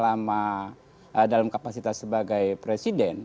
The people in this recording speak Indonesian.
lama dalam kapasitas sebagai presiden